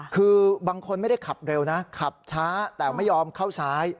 คือบางคนไม่ได้ขับเร็วนะขับช้าแต่ไม่ยอมเข้าซ้าย